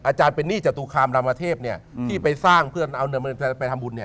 อาจารย์เป็นหนี้จตุคามรามเทพที่ไปสร้างเพื่อเอาไปทำบุญเนี่ย